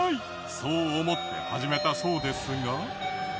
そう思って始めたそうですが。